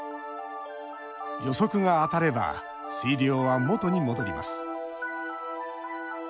予測が当たれば水量は元に戻ります。